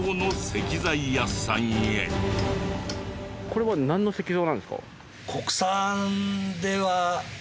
これはなんの石像なんですか？